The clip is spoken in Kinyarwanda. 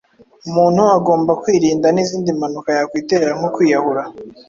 Umuntu agomba kwirinda n’izindi mpanuka yakwitera nko kwiyahura